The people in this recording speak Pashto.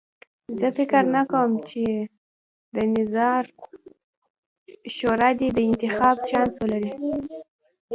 زه فکر نه کوم چې د نظار شورا دې د انتخاب چانس ولري.